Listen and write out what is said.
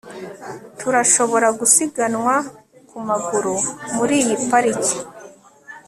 turashobora gusiganwa ku maguru muri iyi parike